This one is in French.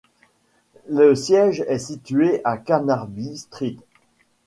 Le siège est situé à Carnaby Street.